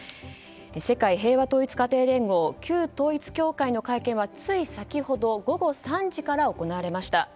世界平和統一家庭連合旧統一教会の会見はつい先ほど午後３時から行われました。